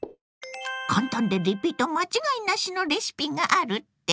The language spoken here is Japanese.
簡単でリピート間違いなしのレシピがあるって？